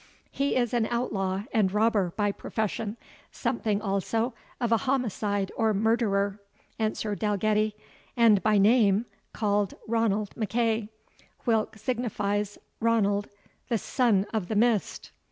"He is an outlaw and robber by profession, something also of a homicide or murderer," answered Dalgetty; "and by name, called Ranald MacEagh; whilk signifies, Ranald, the Son of the Mist."